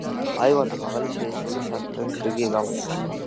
აივანზე მაღალი, შეისრული სარკმელების რიგი გამოდის.